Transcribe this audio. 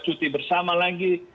cuti bersama lagi